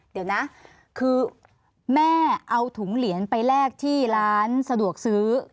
เดี๋ยวนะคือแม่เอาถุงเหรียญไปแลกที่ร้านสะดวกซื้อ